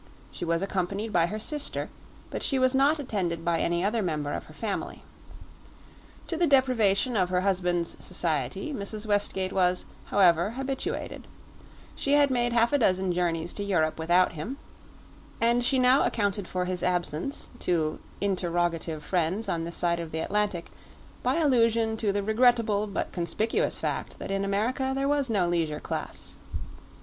She was accompanied by her sister, but she was not attended by any other member of her family. To the deprivation of her husband's society Mrs. Westgate was, however, habituated; she had made half a dozen journeys to Europe without him, and she now accounted for his absence, to interrogative friends on this side of the Atlantic, by allusion to the regrettable but conspicuous fact that in America there was no leisure class.